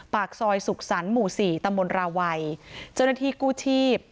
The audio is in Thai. ปากซอยสุขสรรค์หมู่สี่ตำบลราวัยเจ้าหน้าที่กู้ชีพ